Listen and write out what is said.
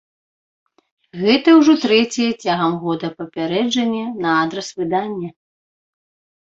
Гэта ўжо трэцяе цягам года папярэджанне на адрас выдання.